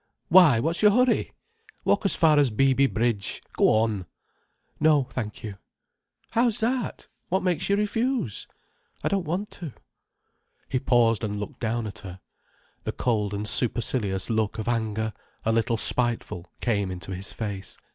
"Why, what's your hurry! Walk as far as Beeby Bridge. Go on." "No, thank you." "How's that? What makes you refuse?" "I don't want to." He paused and looked down at her. The cold and supercilious look of anger, a little spiteful, came into his face.